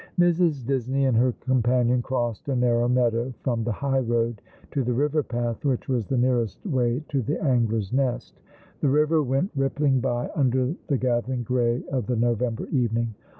Mrs. Disney and her companion crossed a narrow meadow, from the high road to the river path which was the nearest way to the Angler's Nest. The river went rippling by under the gathering grey of the November evening.